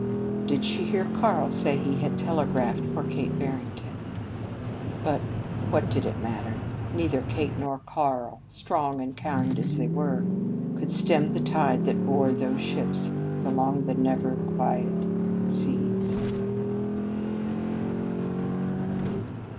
Did she hear Karl say he had telegraphed for Kate Barrington? But what did it matter? Neither Kate nor Karl, strong and kind as they were, could stem the tide that bore those ships along the never quiet seas.